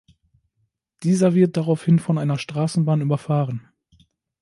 Dieser wird daraufhin von einer Straßenbahn überfahren.